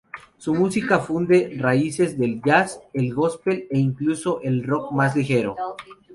Su música funde raíces del jazz, el gospel e incluso el rock más ligero.